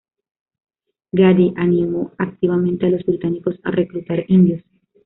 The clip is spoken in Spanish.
Gandhi animó activamente a los británicos a reclutar indios.